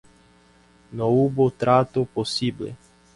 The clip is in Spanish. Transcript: No hubo trato posible.